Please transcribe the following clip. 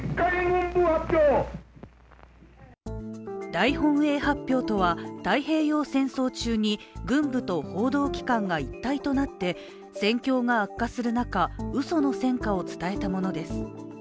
大本営発表とは、太平洋戦争中に軍部と報道機関が一体となって戦況が悪化する中、うその戦果を伝えたものです。